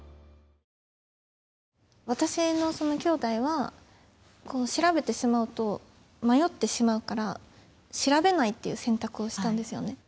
私のきょうだいは調べてしまうと迷ってしまうから調べないっていう選択をしたんですよね。